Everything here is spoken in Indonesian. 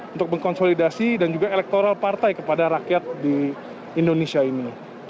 untuk mengkonsolidasi dan juga elektoral partai kepada rakyat di indonesia ini